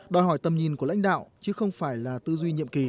đòi hỏi tầm nhìn của lãnh đạo chứ không phải là tư duy nhiệm kỳ